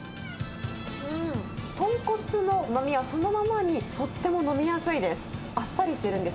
うーん、とんこつのうまみはそのままに、とっても飲みやすいです。